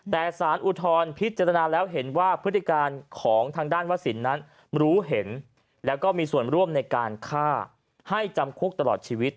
แต่สารอุทธรณ์พิจารณาแล้วเห็นว่าพฤติการของทางด้านวสินนั้นรู้เห็นแล้วก็มีส่วนร่วมในการฆ่าให้จำคุกตลอดชีวิต